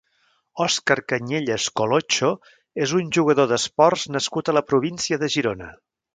Òscar Cañellas Colocho és un jugador d’esports nascut a la província de Girona.